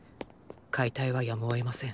解体はやむを得ません。